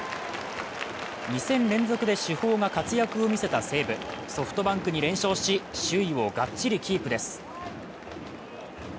２戦連続で主砲が活躍を見せた西武ソフトバンクに連勝し、首位をがっちりキープです。